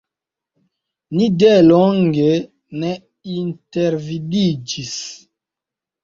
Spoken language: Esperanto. Ni delonge ne intervidiĝis.